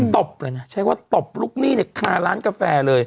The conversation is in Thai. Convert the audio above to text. ตบเลยนะใช้ว่าตบลูกหนี้เนี่ยคาร้านกาแฟเลย